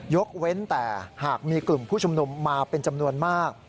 ยกเว้นแต่หากมีกลุ่มผู้ชุมนุมมาเป็นจำนวนมาก